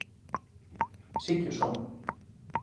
Si que o son.